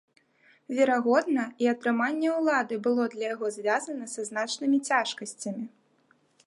Верагодна, і атрыманне улады было для яго звязана са значнымі цяжкасцямі.